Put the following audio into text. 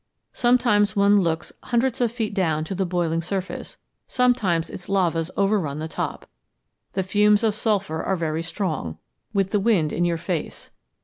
Sometimes one looks hundreds of feet down to the boiling surface; sometimes its lavas overrun the top. The fumes of sulphur are very strong, with the wind in your face.